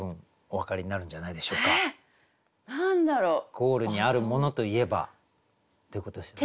ゴールにあるモノといえば？ってことですよね。